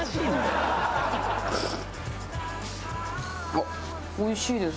あっおいしいです。